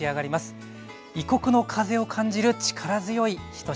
異国の風を感じる力強い一品でした。